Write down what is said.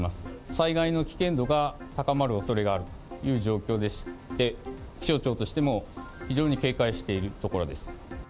災害の危険度が高まるおそれがあるという状況でして、気象庁としても非常に警戒しているところです。